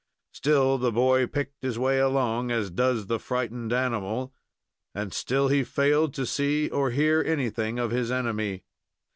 Still the boy picked his way along as does the frightened animal, and still he failed to see or hear anything of his enemy.